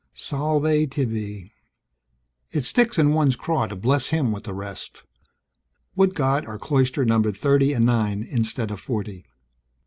Salve tibi! It sticks in one's craw to bless him with the rest. Would God our cloister numbered thirty and nine instead of forty.